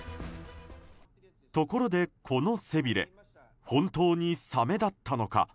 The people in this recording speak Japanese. ところで、この背びれ本当にサメだったのか。